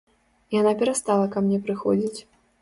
Яна перастала ка мне прыходзіць.